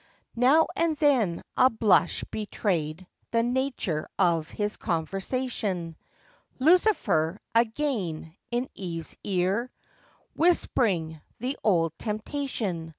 Now and then a blush betrayed the Nature of his conversation— Lucifer, again, in Eve's ear Whispering the old temptation.